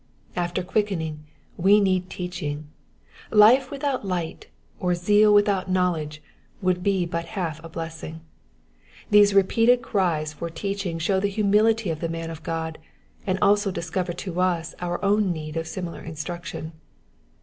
After quickening we need teaching : life without light, or zeal without knowledge, would be but half a blessing. These repeated cries for teaching show the humility of the man of God, and also discover to us our own need of similar instruction.